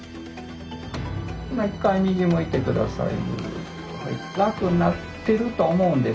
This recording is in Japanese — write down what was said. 今一回右向いてください。